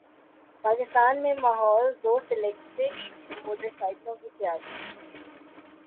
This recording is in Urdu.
پاکستان میں ماحول دوست الیکٹرک موٹر سائیکلوں کی تیاری